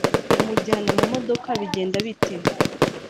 umujyana mu modoka bigenda bite